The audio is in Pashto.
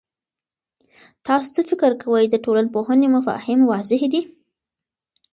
تاسو څه فکر کوئ، د ټولنپوهنې مفاهیم واضح دي؟